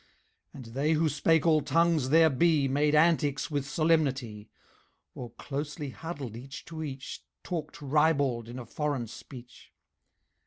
And they who spake all tongues there be Made antics with solemnity, Or closely huddled each to each Talked ribald in a foreign speech.